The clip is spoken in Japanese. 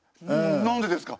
何でですか？